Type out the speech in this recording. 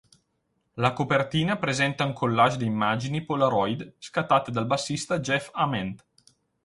La copertina presenta un collage di immagini, polaroid scattate dal bassista Jeff Ament.